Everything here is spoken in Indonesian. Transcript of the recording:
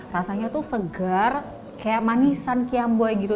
rasanya itu segar kayak manisan kiam buah gitu